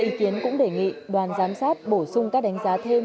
ý kiến cũng đề nghị đoàn giám sát bổ sung các đánh giá thêm